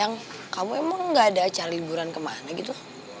yang kamu emang gak ada acara liburan kemana gitu